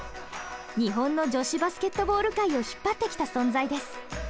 日本の女子バスケットボール界を引っ張ってきた存在です。